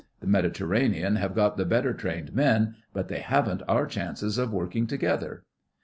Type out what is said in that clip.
The Mediterranean have got the better trained men, but they haven't our chances of working together.